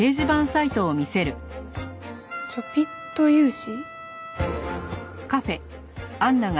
「ちょぴっと融資」？